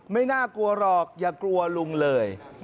ไม่น่ากลัวหรอกอย่ากลัวลุงเลย